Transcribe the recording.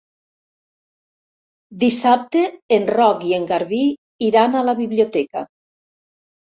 Dissabte en Roc i en Garbí iran a la biblioteca.